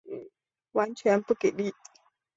完全不给力